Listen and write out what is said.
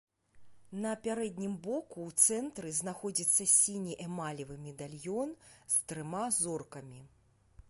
На пярэднім боку ў цэнтры знаходзіцца сіні эмалевы медальён з трыма зоркамі.